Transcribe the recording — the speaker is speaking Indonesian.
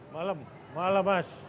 malam malam mas